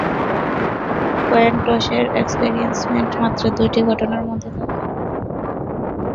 Coin toss এর এক্সপেরিমেন্টে মাত্র দুটি ঘটনা ঘটে থাকে।